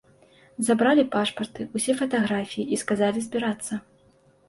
Забралі пашпарты, усе фатаграфіі і сказалі збірацца.